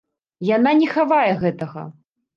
Яна не хавае гэтага.